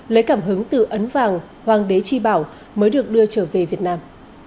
lấy cảm hứng từ ấn vàng hoàng đế tri bảo mới được đưa trở về việt nam